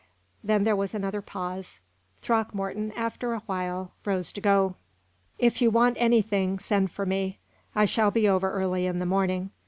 Then there was another pause. Throckmorton, after a while, rose to go. "If you want anything, send for me. I shall be over early in the morning."